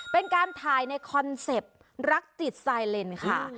เป็นการถ่ายในคอนเซ็ปต์รักจิตไซเลนค่ะ